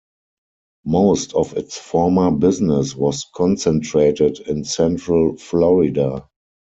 Most of its former business was concentrated in Central Florida.